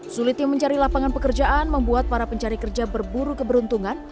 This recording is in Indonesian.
sulitnya mencari lapangan pekerjaan membuat para pencari kerja berburu keberuntungan